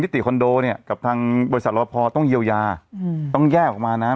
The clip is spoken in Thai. ติคอนโดเนี่ยกับทางบริษัทรอพอต้องเยียวยาต้องแยกออกมานะ